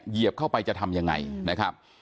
เหยียบเข้าไปจะทำยังไงนะครับ